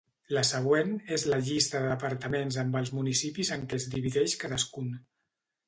La següent és la llista de departaments amb els municipis en què es divideix cadascun.